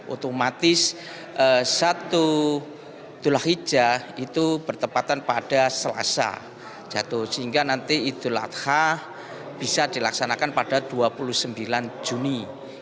otomatis satu tullah hijah itu bertepatan pada selasa jatuh sehingga nanti idul adha bisa dilaksanakan pada dua puluh sembilan juni